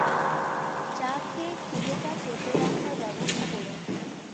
চা খেয়ে খিদেটা চেপে রাখার ব্যবস্থা করুন।